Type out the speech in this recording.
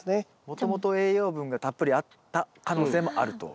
もともと栄養分がたっぷりあった可能性もあると。